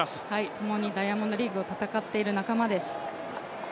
共にダイヤモンドリーグを戦っている仲間です。